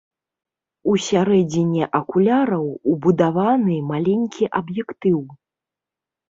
У сярэдзіне акуляраў убудаваны маленькі аб'ектыў.